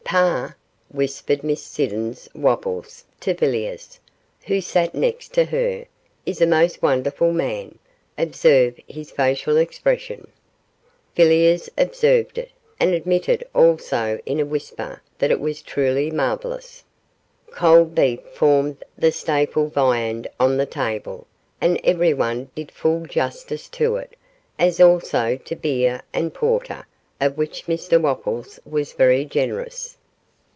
'Pa,' whispered Miss Siddons Wopples to Villiers, who sat next to her, 'is a most wonderful man. Observe his facial expression.' Villiers observed it, and admitted also in a whisper that it was truly marvellous. Cold beef formed the staple viand on the table, and everyone did full justice to it, as also to beer and porter, of which Mr Wopples was very generous.